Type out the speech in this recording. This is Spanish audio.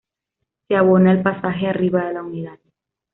Se abona el pasaje arriba de la unidad.